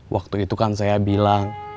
waktu itu kan saya bilang